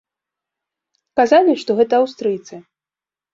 Казалі, што гэта аўстрыйцы.